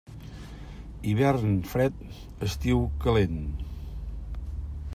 Hivern fred, estiu calent.